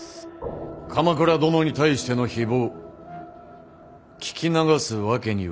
鎌倉殿に対しての誹謗聞き流すわけにはまいらぬ。